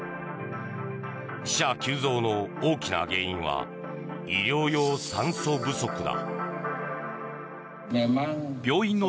死者急増の大きな原因は医療用酸素不足だ。